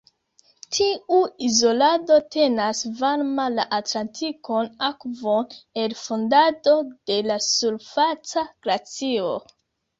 Tiu izolado tenas varma la Atlantikon Akvon el fandado de la surfaca glacio.